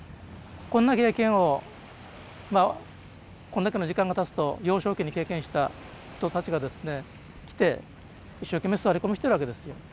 こんな経験をまあこんだけの時間がたつと幼少期に経験した人たちがですね来て一生懸命座り込みしてるわけですよ。